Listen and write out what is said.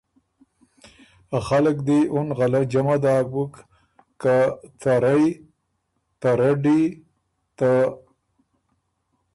ا خلق دی اُن غَلۀ جمع داک بُک که ته رئ ته رډّی ته